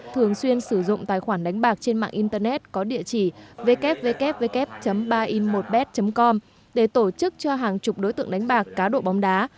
thường xuyên sử dụng tài khoản đánh bạc trên mạng internet có địa chỉ ww buyin một bet com để tổ chức cho hàng chục đối tượng đánh bạc cá độ bóng đá